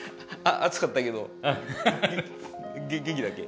暑かったけど元気だった？